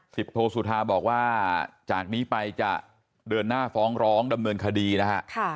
โทสุธาบอกว่าจากนี้ไปจะเดินหน้าฟ้องร้องดำเนินคดีนะฮะ